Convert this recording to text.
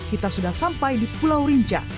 kita sudah sampai di pulau rinca